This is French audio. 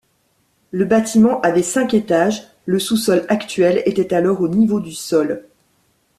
Le bâtiment avait cinq étages, le sous-sol actuel était alors au niveau du sol.